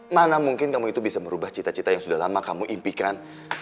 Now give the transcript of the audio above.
mana mungkin kamu itu bisa merubah cita cita yang sudah lama kamu impikan